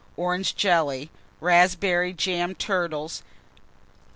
Orange Jelly. Raspberry Jam Turtles.